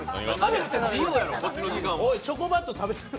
おい、チョコバット食べてる！